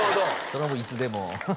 それはもういつでも。